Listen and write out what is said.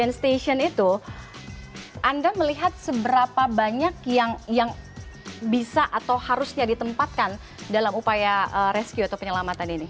station itu anda melihat seberapa banyak yang bisa atau harusnya ditempatkan dalam upaya rescue atau penyelamatan ini